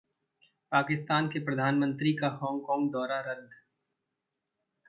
पाकिस्तान के प्रधानमंत्री का हांगकांग दौरा रद्द